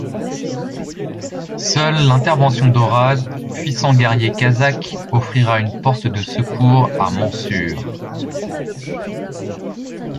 Seule l'intervention d'Oraz, puissant guerrier kazakh, offrira une porte de secours à Mansur.